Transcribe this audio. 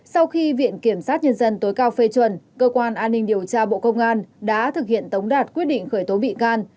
sau khi viện kiểm sát nhân dân tối cao phê chuẩn cơ quan an ninh điều tra bộ công an đã thực hiện tống đạt quyết định khởi tố bị can